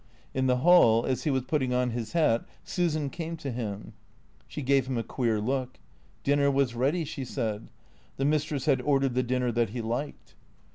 In the hall, as he was putting on his hat, Susan came to him. She gave him a queer look. Dinner was ready, she said. The mistress had ordered the dinner that he liked.